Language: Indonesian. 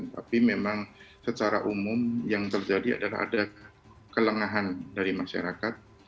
tapi memang secara umum yang terjadi adalah ada kelengahan dari masyarakat